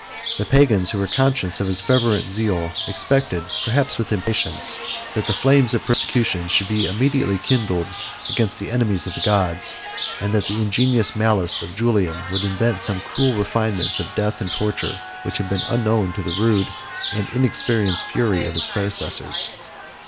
The pagans, who were conscious of his fervent zeal, expected, perhaps with impatience, that the flames of persecution should be immediately kindled against the enemies of the gods; and that the ingenious malice of Julian would invent some cruel refinements of death and torture which had been unknown to the rude and inexperienced fury of his predecessors.